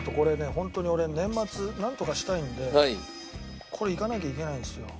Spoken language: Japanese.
本当に俺年末なんとかしたいんでこれいかなきゃいけないんですよ。